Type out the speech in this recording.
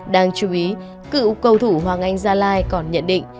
đáng chú ý cựu cầu thủ hoàng anh gia lai còn nhận định